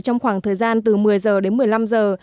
trong khoảng thời gian từ một mươi giờ đến một mươi năm giờ